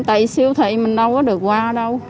tại siêu thị mình đâu có được qua đâu